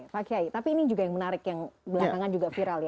pak kiai tapi ini juga yang menarik yang belakangan juga viral ya